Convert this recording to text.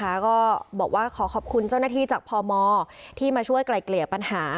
ก็บอกว่าขอขอบคุณเจ้าหน้าที่จากพมที่มาช่วยไกล่เกลี่ยปัญหา